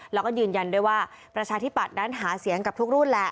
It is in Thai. แล้วก็ยืนยันด้วยว่าประชาธิบัตย์นั้นหาเสียงกับทุกรุ่นแหละ